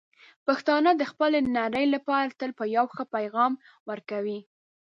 پښتانه د خپلې نړۍ لپاره تل به یو ښه پېغام ورکوي.